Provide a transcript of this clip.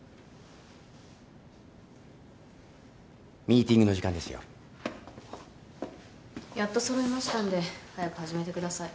ミーティングの時間ですよ。やっと揃いましたんで早く始めてください。